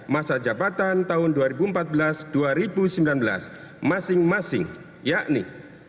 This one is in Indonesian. masa jabatan tahun dua ribu empat belas dua ribu sembilan belas masing masing yakni